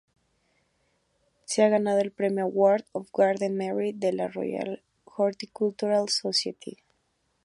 Se ha ganado el premio "Award of Garden Merit" de la Royal Horticultural Society.